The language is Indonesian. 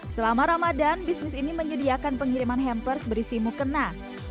selama ramadan bisnis ini menyediakan pengiriman hampers berisi mukena